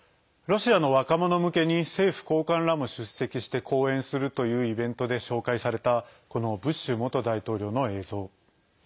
ロシアの若者向けに政府高官らも出席して講演するというイベントで紹介されたこのブッシュ元大統領の映像。